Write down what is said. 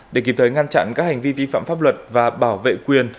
để kịp thời ngăn chặn các hành vi vi phạm pháp luật và bảo vệ quyền